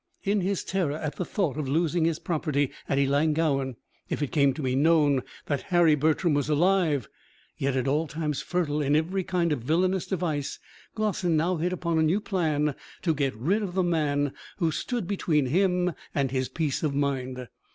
In his terror at the thought of losing his property at Ellangowan if it came to be known that Harry Bertram was alive, yet at all times fertile in every kind of villainous device, Glossin now hit upon a new plan to get rid of the man who stood between him and his peace of mind.